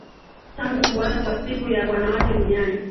tangu kuanza kwa siku ya wanawake duniani